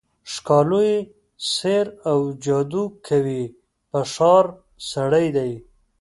ښکالو یې سحراوجادوکوي په ښار، سړی دی